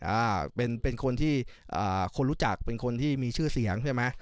อ่าเป็นเป็นคนที่อ่าคนรู้จักเป็นคนที่มีชื่อเสียงใช่ไหม